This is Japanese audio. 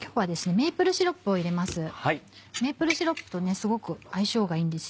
メープルシロップとすごく相性がいいんですよ